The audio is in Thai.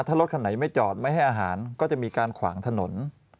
ถ้ารถคันไหนไม่จอดไม่ให้อาหารก็จะมีการขวางถนน